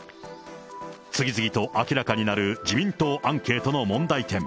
次々と明らかになる自民党アンケートの問題点。